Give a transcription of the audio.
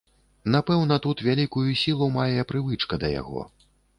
Напэўна, тут вялікую сілу мае прывычка да яго.